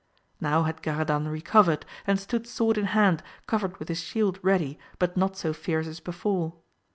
Now had Garadan recovered, and stood sword in hand covered with his shield ready, but not so fierce as before.